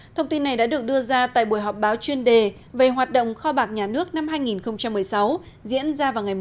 thông tin này đã được đưa ra tại buổi họp báo chuyên đề về hoạt động kho bạc nhà nước năm hai nghìn một mươi sáu diễn ra vào ngày một mươi bốn tháng một mươi hai